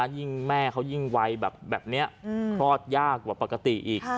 ยิ่งแม่เขายิ่งวัยแบบนี้คลอดยากกว่าปกติอีก